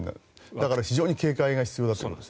だから非常に警戒が必要だと思います。